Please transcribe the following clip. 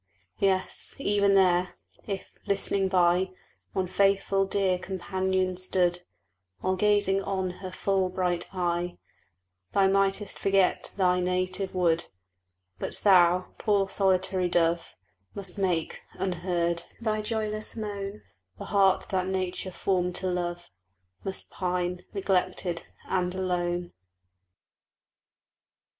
Yes, even there, if, listening by, One faithful dear companion stood, While gazing on her full bright eye, Thou mightst forget thy native wood But thou, poor solitary dove, Must make, unheard, thy joyless moan; The heart that Nature formed to love Must pine, neglected, and alone.